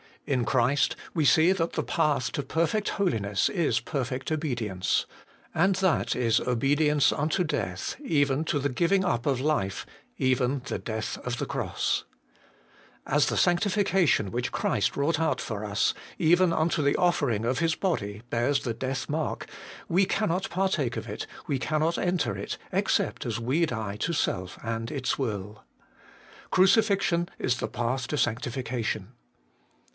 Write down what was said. In Christ we see that the path to perfect holiness is perfect obedience. And that is obedience unto death, even to the giving up of life, even the death of the cross. As the sanctifica tion which Christ wrought out for us, even unto the offering of His body, bears the death mark, we HOLINESS AND CRUCIFIXION. 153 cannot partake of it, we cannot enter it, except as we die to self and its will. Crucifixion is the path to sanctification.